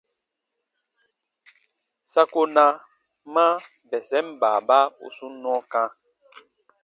Sa ko na ma bɛsɛn baaba u sun nɔɔ kã.